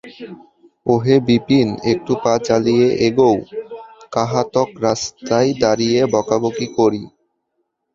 ওহে বিপিন, একটু পা চালিয়ে এগোও– কাঁহাতক রাস্তায় দাঁড়িয়ে বকাবকি করি?